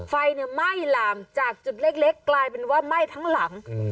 ไฟไหม้หลามจากจุดเล็กกลายเป็นว่าไหม้ทั้งหลัง